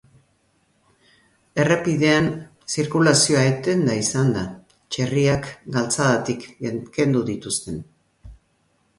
Errepidean zirkulazioa etenda izan da, txerriak galtzadatik kendu dituzten.